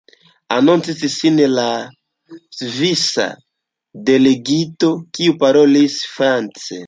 Anoncis sin la svisa delegito, kiu parolis france.